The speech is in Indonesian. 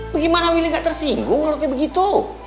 bagaimana willy nggak tersinggung kalau kayak begitu